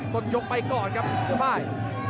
ต้นยกไปก่อนครับสุภาย